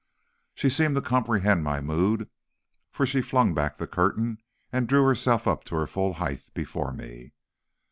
"She seemed to comprehend my mood, for she flung back the curtain and drew herself up to her full height before me.